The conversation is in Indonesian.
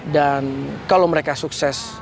dan kalau mereka sukses